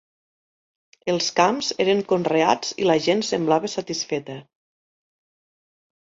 Els camps eren conreats i la gent semblava satisfeta